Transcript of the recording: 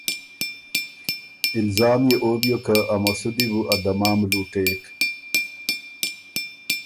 الزام يې او بیوک که ا مسودی بو ا دمام لُوټېک۔